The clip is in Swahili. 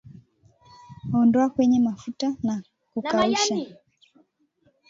Ondoa kwenye mafuta na kukausha